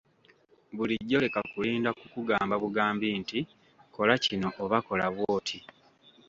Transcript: Bulijjo leka kulinda kukugamba bugambi nti kola kino oba kola bwoti.